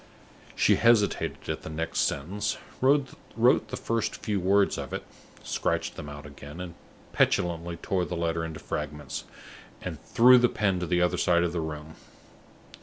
She hesitated at the next sentence, wrote the first few words of it, scratched them out again, and petulantly tore the letter into fragments, and threw the pen to the other end of the room.